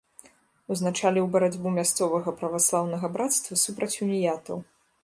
Узначаліў барацьбу мясцовага праваслаўнага брацтва супраць уніятаў.